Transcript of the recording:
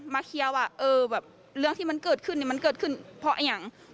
มาเคี้ยวว่าเรื่องที่มันเกิดขึ้นมันเกิดขึ้นเพราะอย่างนี้